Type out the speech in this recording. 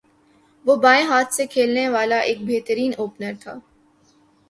وہ بائیں ہاتھ سےکھیلنے والا ایک بہترین اوپنر تھا